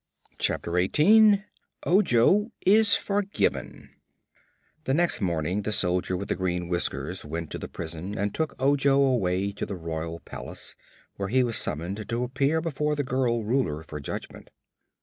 Chapter Eighteen Ojo is Forgiven The next morning the Soldier with the Green Whiskers went to the prison and took Ojo away to the royal palace, where he was summoned to appear before the girl Ruler for judgment.